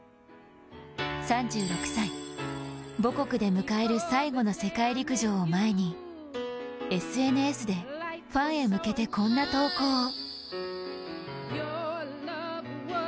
３６歳、母国で迎える最後の世界陸上を前にＳＮＳでファへ向けて、こんな投稿を。